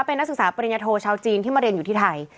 เป็นนักศึกษาปริญญโทชาวจีนที่มาเรียนอยู่ที่ไทย